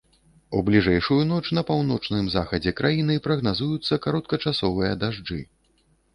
У бліжэйшую ноч на паўночным захадзе краіны прагназуюцца кароткачасовыя дажджы.